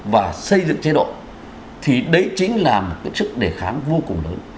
và xây dựng chế độ thì đấy chính là một cái sức đề kháng vô cùng lớn